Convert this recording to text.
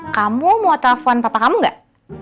kamu mau telepon papa kamu gak